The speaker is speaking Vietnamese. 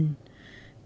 ký ức chiến tranh